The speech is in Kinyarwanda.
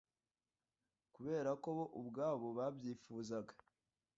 Kubera ko bo ubwabo babyifuzaga,